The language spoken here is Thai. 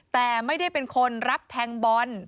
แต่ไม่ได้เป็นคนรับแทงบอล